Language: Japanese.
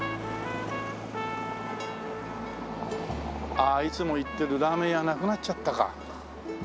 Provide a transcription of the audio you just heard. ああいつも行ってるラーメン屋なくなっちゃったか。